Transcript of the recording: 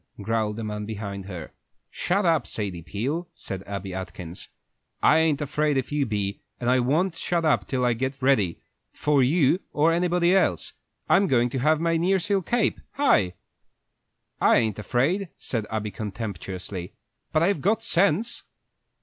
growled a man behind her. "Shut up, Sadie Peel," said Abby Atkins. "I ain't afraid if you be, and I won't shut up till I get ready, for you or anybody else. I'm goin' to have my nearseal cape! Hi!" "I ain't afraid," said Abby, contemptuously, "but I've got sense."